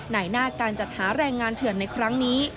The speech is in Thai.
ในหน้าการจัดหาแรงงานเถื่อนในครั้งนี้